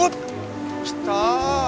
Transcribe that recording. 来た！